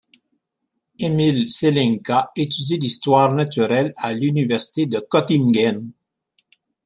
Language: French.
Emil Selenka étudie l’histoire naturelle à l’université de Göttingen.